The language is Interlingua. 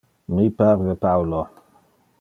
Mi parve Paulo.